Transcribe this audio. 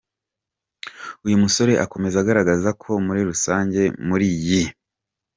Uyu musore akomeza agaragaza ko muri rusange muri iyi.